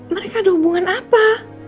mereka ada hubungan apa